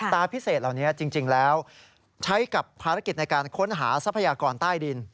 ตาพิเศษเหล่านี้จริงแล้วใช้กับภารกิจในการค้นหาทรัพยากรใต้ดิน